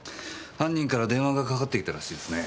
犯人から電話がかかってきたらしいですね。